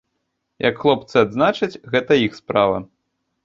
Як хлопцы адзначаць, гэта іх справа.